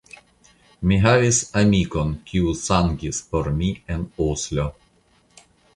Mi havis amikon, kiu sangis por mi en Oslo.